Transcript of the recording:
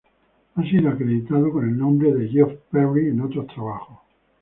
Ha sido acreditado con el nombre Geoff Perry en otros trabajos.